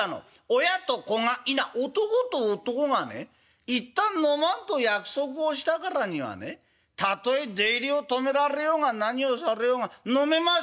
『親と子が否男と男がね一旦飲まんと約束をしたからにはねたとえ出入りを止められようが何をされようが飲めませんよ！』